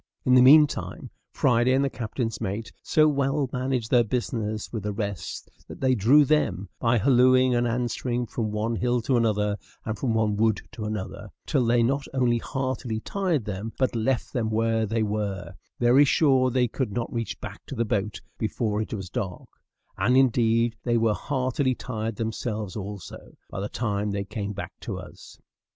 In the meantime, Friday and the captain's mate so well managed their business with the rest that they drew them, by hallooing and answering from one hill to another, and from one wood to another, till they not only heartily tired them, but left them where they were, very sure they could not reach back to the boat before it was dark; and, indeed, they were heartily tired themselves also, by the time they came back to us.